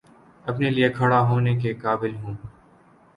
اپنے لیے کھڑا ہونے کے قابل ہوں